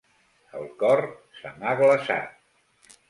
El cor se m'ha glaçat.